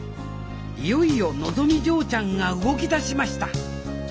いよいよのぞみ嬢ちゃんが動き出しました！